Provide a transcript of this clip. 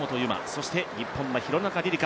そして日本は廣中璃梨佳。